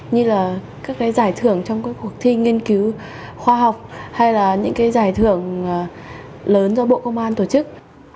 như là các cái giải thưởng trong các cuộc thi nghiên cứu khoa học hay là những cái giải thưởng lớn do bộ công an tổ chức